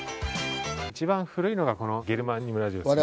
一番古いのがこのゲルマニウムラジオですね。